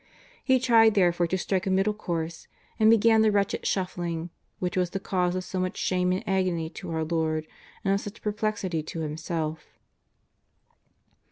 He tried therefore to strike a middle course, and began the wretched shufflinof, w^hich was the cause of so much shame and agony to our Lord and of such perplexity to himself.